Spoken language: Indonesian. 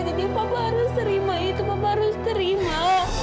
jadi papa harus terima itu papa harus terima